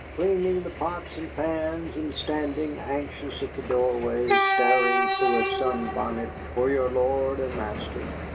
Cleaning the pots and pans, and standing anxious at the doorway staring through a sunbonnet for your lord and master."